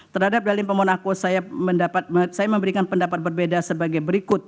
terhadap dalil pemohon aku saya memberikan pendapat berbeda sebagai berikut